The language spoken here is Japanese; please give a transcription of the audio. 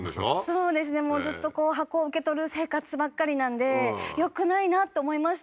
そうですねもうずっと箱を受け取る生活ばっかりなんでよくないなって思いました